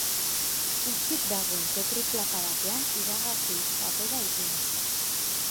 Hutsik dagoen Petri plaka batean iragazi-papera ipini.